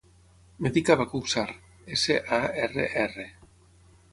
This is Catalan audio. Em dic Abacuc Sarr: essa, a, erra, erra.